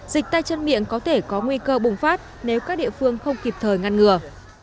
dịch tay chân miệng có thể có nguy cơ bùng phát nếu các địa phương không kịp thời ngăn ngừa